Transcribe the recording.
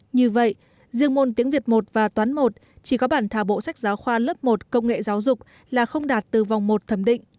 như vậy riêng môn tiếng việt một và toán một chỉ có bản thảo bộ sách giáo khoa lớp một công nghệ giáo dục là không đạt từ vòng một thẩm định